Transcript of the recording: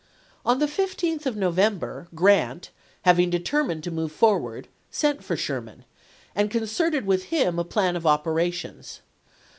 On the 15th of November Grant, having determined to move for ward, sent for Sherman, and concerted with him a plan of operations.